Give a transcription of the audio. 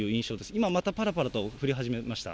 今また、ぱらぱらと降り始めました。